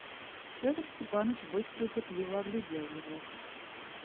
Петр Степанович быстро и пытливо оглядел его.